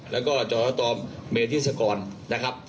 แล้วก็จสตเมธิศกรนะครับ